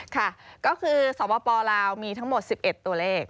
ค่ะก็คือสมบัติปอล์เรามีทั้งหมด๑๑ตัวเลข